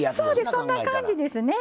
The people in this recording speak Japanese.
そんな感じですね。